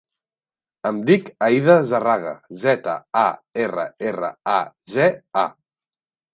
Em dic Aïda Zarraga: zeta, a, erra, erra, a, ge, a.